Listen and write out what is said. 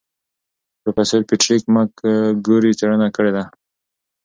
پروفیسور پیټریک مکګوري څېړنه کړې ده.